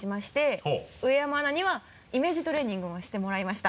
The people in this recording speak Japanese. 上山アナにはイメージトレーニングをしてもらいました。